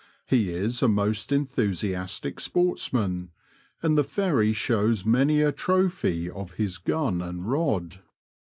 He is a most enthusi astic sportsman, and the Ferry shows many a trophy of his gun and rod.